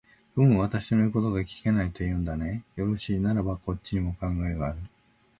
ふむ、私の言うことが聞けないと言うんだね。よろしい、ならばこっちにも考えがある。